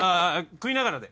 食いながら。